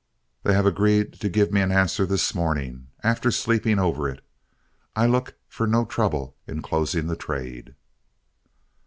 They have agreed to give me an answer this morning, and after sleeping over it, I look for no trouble in closing the trade."